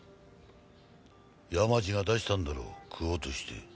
山路が出したんだろう食おうとして。